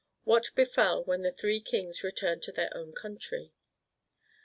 What befell when the Three Kings returned to their own Country.